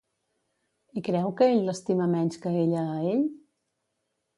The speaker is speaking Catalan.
I creu que ell l'estima menys que ella a ell?